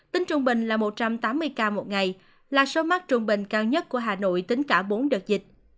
tính trung bình là một trăm tám mươi ca một ngày là số mắc trung bình cao nhất của hà nội tính cả bốn đợt dịch